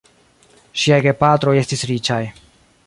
Ŝiaj gepatroj estis riĉaj.